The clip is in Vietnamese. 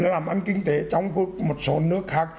làm ăn kinh tế trong một số nước khác